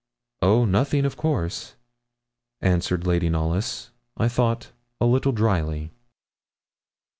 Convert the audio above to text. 'Oh, nothing of course,' answered Lady Knollys, I thought a little drily.